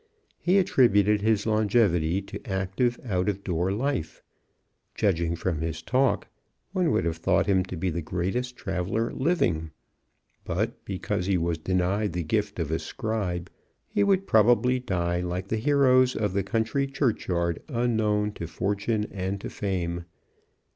He attributed his longevity to active out of door life. Judging from his talk, one would have thought him to be the greatest traveler living; but, because he was denied the gift of a scribe, he would probably die like the heroes of the country churchyard, "unknown to fortune and to fame."